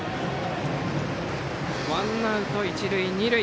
ワンアウト、一塁二塁。